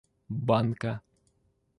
банка